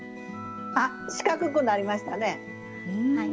あっ四角くなりましたね。